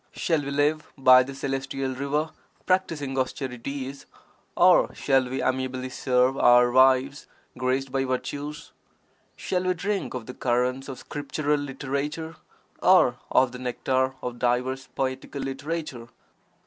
Shall we live by the celestial river practising austerities, or shall we amiably serve (our) wives graced by virtues? Shall we drink of the currents of scriptural literature, or of the nectar of diverse poetical literature?